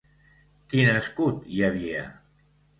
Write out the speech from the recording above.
Quin escut hi havia?